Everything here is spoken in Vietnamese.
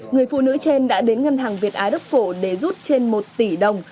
người phụ nữ trên đã đến ngân hàng việt á đức phổ để rút trên một tỷ đồng